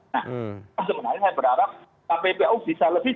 nah sebenarnya saya berharap kppu bisa lebih